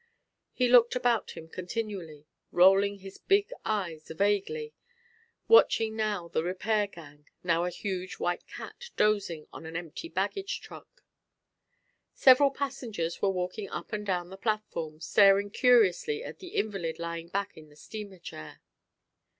He looked about him continually, rolling his big eyes vaguely, watching now the repair gang, now a huge white cat dozing on an empty baggage truck. Several passengers were walking up and down the platform, staring curiously at the invalid lying back in the steamer chair.